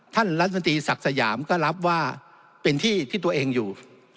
ท่านรัฐมนตรีศักดิ์สยามก็รับว่าเป็นที่ที่ตัวเองอยู่